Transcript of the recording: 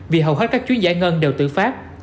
vì hầu hết các chuyến giải ngân đều tự phát